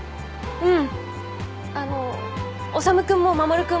うん。